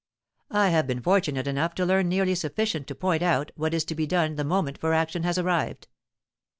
I have been fortunate enough to learn nearly sufficient to point out what is to be done the moment for action has arrived.